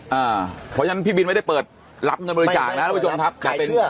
อ่าเพราะฉะนั้นพี่บินไม่ได้เปิดรับบริจาคนะครับขายเสื้อ